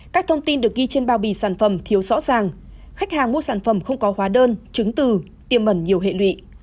các thông tin được ghi trên bao bì sản phẩm thiếu rõ ràng khách hàng mua sản phẩm không có hóa đơn chứng từ tiêm ẩn nhiều hệ lụy